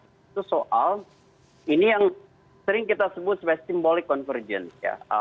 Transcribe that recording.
itu soal ini yang sering kita sebut sebagai simbolik convergence ya